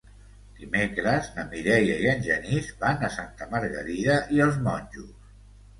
Dimecres na Mireia i en Genís van a Santa Margarida i els Monjos.